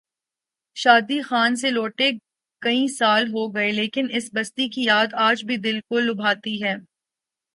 شادی خان سے لوٹے کئی سال ہو گئے لیکن اس بستی کی یاد آج بھی دل کو لبھاتی ہے۔